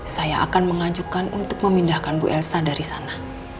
saya akan mengajukan untuk memindahkan bu elsa dari sana